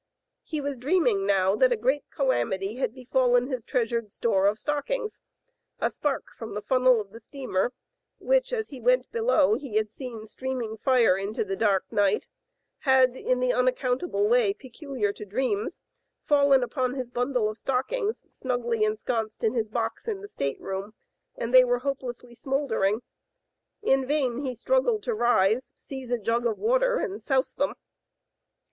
He was dreaming now that a great calamity had befallen his treasured store of stockings. A spark from the funnel of the steamer, which, as he went below, he had seen streaming fire into the dark night, had, in the unaccountable way peculiar to dreams, fallen upon his bundle of stockings snugly ensconced in his box in the stateroom, and they were hope lessly smoldering; in vain he struggled to rise, seize a jug of water, and souse them.